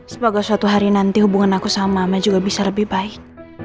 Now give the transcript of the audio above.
semoga suatu hari nanti hubungan aku sama juga bisa lebih baik